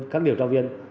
các điều tra viên